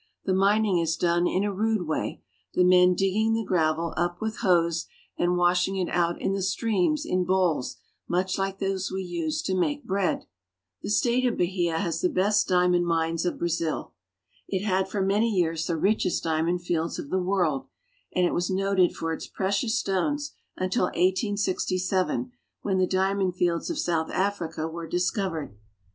The mining is done in a rude way, the men digging the gravel up with hoes, and washing it out in the streams in bowls much like those we use to make bread. The state of Bahia has the best diamond mines of BAHIA. 289 Brazil. It had for many years the richest diamond fields of the world, and it was noted for its precious stones until 1867, when the diamond fields of South Africa were dis covered.